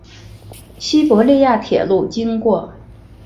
西伯利亚铁路经过。